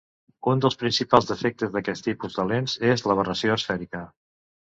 Un dels principals defectes d'aquest tipus de lents és l'aberració esfèrica.